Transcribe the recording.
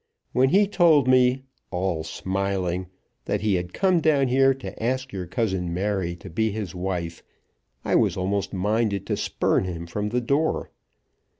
When he told me, all smiling, that he had come down here to ask your cousin Mary to be his wife, I was almost minded to spurn him from the door.